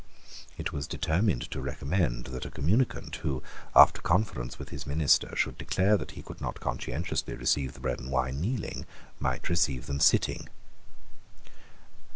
It was determined to recommend that a communicant, who, after conference with his minister, should declare that he could not conscientiously receive the bread and wine kneeling, might receive them sitting.